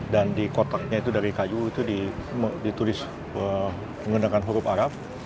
dan di kotaknya itu dari kayu itu ditulis menggunakan huruf arab